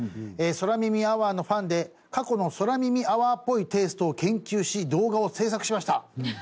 空耳アワーのファンで過去の空耳アワーっぽいテイストを研究し動画を制作しました。